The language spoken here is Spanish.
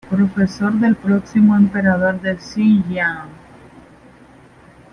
Profesor del próximo emperador de Xi'An.